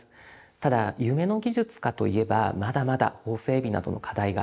ただ夢の技術かと言えばまだまだ法整備などの課題があります。